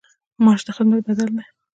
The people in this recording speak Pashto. معاش د خدمت بدل دی